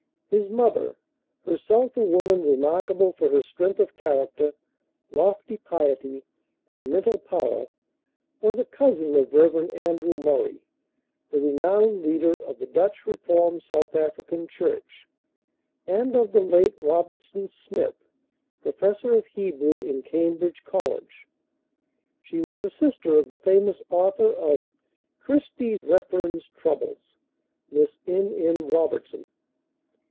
His mother, herself a woman remarkable for her strength of character, lofty piety and mental power, was a cousin of Rev. Andrew Murray, the renowned leader of the Dutch Reformed South African Church, and of the late Robertson Smith, Professor of Hebrew in Cambridge College; she was a sister of the famous author of "Christie Refern's Troubles," Miss M. M. Robertson.